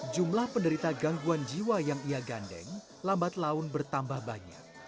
jumlah penderita gangguan jiwa yang ia gandeng lambat laun bertambah banyak